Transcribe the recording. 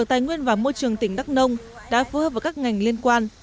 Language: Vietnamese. tình trạng sạt lở bờ sông và môi trường tỉnh đắk nông đã phối hợp với các ngành liên quan